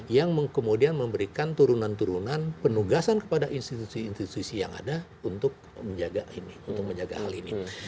yang kemudian memberikan turunan turunan penugasan kepada institusi institusi yang ada untuk menjaga ini untuk menjaga hal ini